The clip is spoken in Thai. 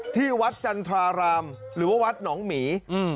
ที่วัดจันทรารามหรือว่าวัดหนองหมี